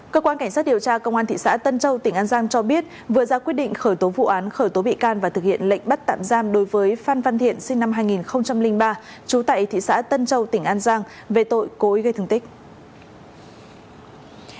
cơ quan cảnh sát điều tra công an thị xã tân châu tỉnh an giang cho biết vừa ra quyết định khởi tố vụ án khởi tố bị can và thực hiện lệnh bắt tạm giam đối với phan văn thiện sinh năm hai nghìn ba trú tại thị xã tân châu tỉnh an giang về tội cố ý gây thương tích